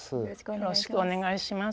よろしくお願いします。